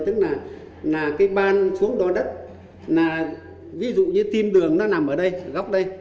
tức là cái ban xuống đo đất ví dụ như tim đường nó nằm ở đây góc đây